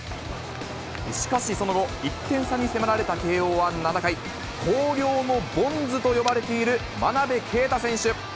しかし、その後、１点差に迫られた慶応は７回、広陵のボンズと呼ばれている真鍋慧選手。